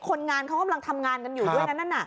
คนงานเขาก็กำลังทำงานอยู่ด้วยนะคุณผู้ชม